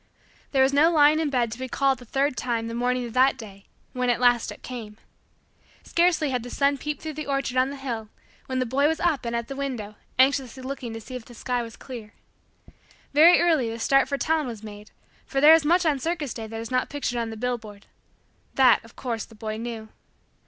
There was no lying in bed to be called the third time the morning of that day; when at last it came. Scarcely had the sun peeped through the orchard on the hill when the boy was up and at the window anxiously looking to see if the sky was clear. Very early the start for town was made for there is much on circus day that is not pictured on the billboards that, of course, the boy knew.